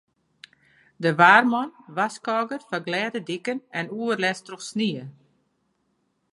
De waarman warskôget foar glêde diken en oerlêst troch snie.